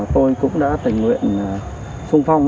tôi cũng đã tình nguyện xuân phong